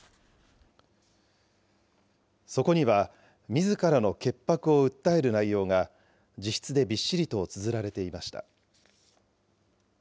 そこにはみずからの潔白を訴える内容が自筆でびっしりとつづられていました。